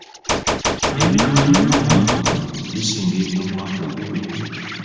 Ebitundiddwa omwaka guno bisinga eby'omwaka oguwedde.